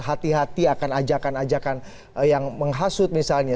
hati hati akan ajakan ajakan yang menghasut misalnya